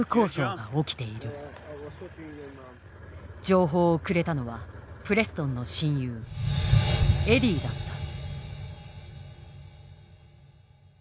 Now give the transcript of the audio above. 情報をくれたのはプレストンの親友エディだった。